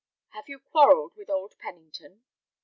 "Have you quarrelled with old Pennington?"